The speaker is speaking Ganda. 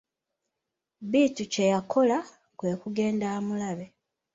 Bittu kye yakola, kwe kugenda amulabe.